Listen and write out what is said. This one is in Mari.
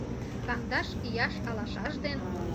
Кандаш ияш алашаж ден